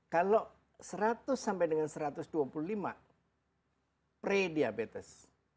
kalau seratus sampai dengan satu ratus dua puluh lima pre diabetes